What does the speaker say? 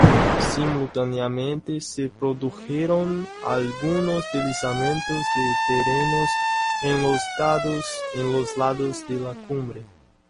Simultáneamente, se produjeron algunos deslizamientos de terreno en los lados de la cumbre.